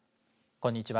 こんにちは。